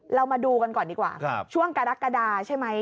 เรามาดูกันก่อนดีกว่าช่วงกรกฎาใช่ไหม